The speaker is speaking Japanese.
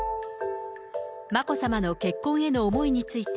眞子さまの結婚への思いについて、